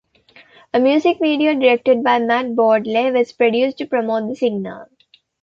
A music video directed by Matt Broadley was produced to promote the single.